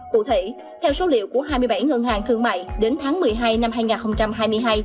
cụ thể theo số liệu của hai mươi bảy ngân hàng thương mại đến tháng một mươi hai năm hai nghìn hai mươi hai